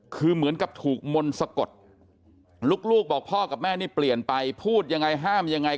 คือเหมือนกับถูกมนต์สะกดลูกบอกพ่อกับแม่นี่เปลี่ยนไปพูดยังไงห้ามยังไง